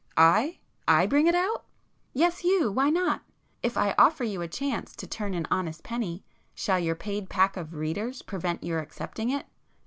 I? I bring it out!" "Yes, you—why not? If I offer you a chance to turn an honest penny shall your paid pack of 'readers' prevent your accepting it?